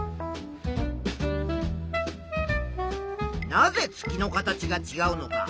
なぜ月の形がちがうのか。